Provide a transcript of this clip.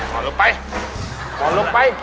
มาลบไปปลอดลบไป